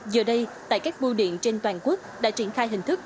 giờ đây tại các bu điện trên toàn quốc đã triển khai hình thức